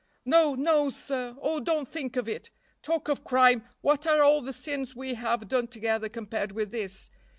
"No! no! sir! Oh, don't think of it. Talk of crime, what are all the sins we have done together compared with this?